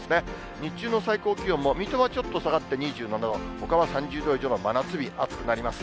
日中の最高気温も水戸はちょっと下がって２７度、ほかは３０度以上の真夏日、暑くなります。